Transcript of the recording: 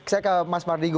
saya ke mas mardigu